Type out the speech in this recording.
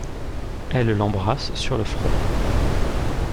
Elle l’embrasse sur le front.